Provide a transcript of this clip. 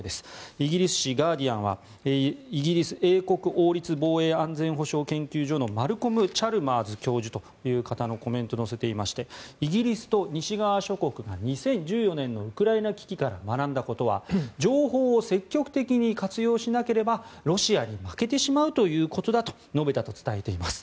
イギリス紙ガーディアンはイギリス英国王立防衛安全保障研究所のマルコム・チャルマーズ教授という方のコメントを載せていましてイギリスと西側諸国が２０１４年のウクライナ危機から学んだことは情報を積極的に活用しなければロシアに負けてしまうということだと述べたと伝えています。